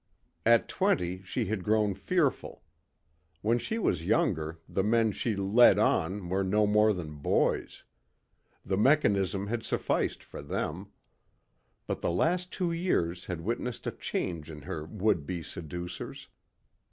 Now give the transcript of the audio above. At twenty she had grown fearful. When she was younger the men she led on were no more than boys. The mechanism had sufficed for them. But the last two years had witnessed a change in her would be seducers.